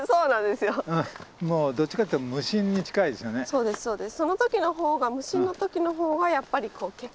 そうですそうです。